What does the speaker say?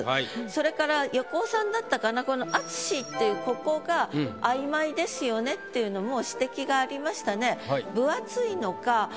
それから横尾さんだったかなこの「あつし」っていうここが曖昧ですよねっていうのも指摘がありましたね。